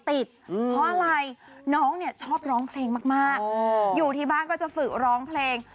เพราะอะไรน้องเนี่ยชอบร้องเพลงมากอยู่ที่บ้านก็จะฝึกร้องเพลง